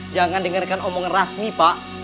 jangan dengarkan omongan resmi pak